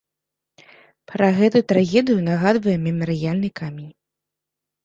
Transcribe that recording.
Пра гэту трагедыю нагадвае мемарыяльны камень.